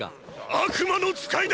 悪魔の使いだ！